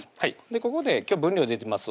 ここで今日分量出てます